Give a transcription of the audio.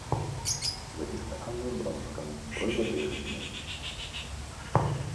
Записка Анны Вронскому с просьбой приехать к ней.